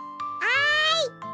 あい！